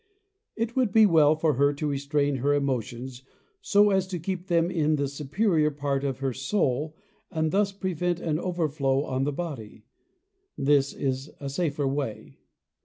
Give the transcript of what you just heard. It would be well for her to restrain her emotions so as to keep them in the superior part of her soul and thus prevent an overflow on the body: this is a safer way.